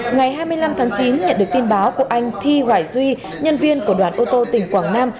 ngày hai mươi năm tháng chín nhận được tin báo của anh thi hoài duy nhân viên của đoàn ô tô tỉnh quảng nam